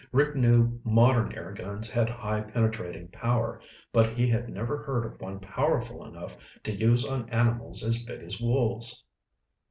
Rick knew modern air guns had high penetrating power, but he had never heard of one powerful enough to use on animals as big as wolves.